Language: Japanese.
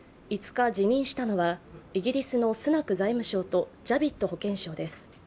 ５日、辞任したのはイギリスのスナク財務相とジャヴィッド保健相です。